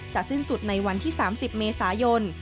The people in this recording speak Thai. สิ้นสุดในวันที่๓๐เมษายน